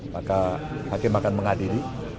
maka hakim akan mengadili